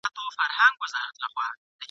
چي مي ښکلي دوستان نه وي چي به زه په نازېدمه !.